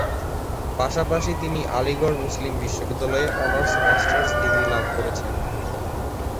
পাশাপাশি তিনি আলিগড় মুসলিম বিশ্ববিদ্যালয়ে অনার্স ও মাস্টার্স ডিগ্রি লাভ করেছেন।